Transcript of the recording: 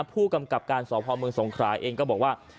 ผู้กำกับการสพเมืองสงขราเองก็บอกว่า